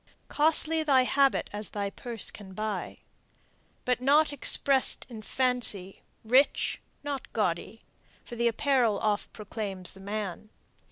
Costly thy habit as thy purse can buy. But not express'd in fancy; rich, not gaudy; For the apparel oft proclaims the man.